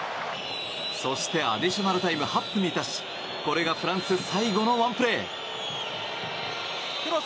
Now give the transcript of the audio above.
そしてアディショナルタイム８分に達しこれがフランス最後のワンプレー。